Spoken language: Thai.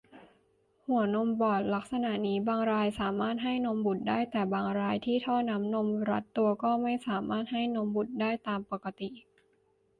หัวนมบอดลักษณะนี้บางรายสามารถให้นมบุตรได้ แต่บางรายที่ท่อน้ำนมรัดตัวก็ไม่สามารถให้นมบุตรได้ตามปกติ